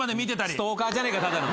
ストーカーじゃねえかただの。